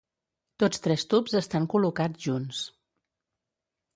Tots tres tubs estan col·locats junts.